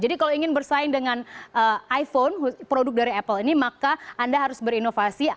jadi kalau ingin bersaing dengan iphone produk dari apple ini maka anda harus berinovasi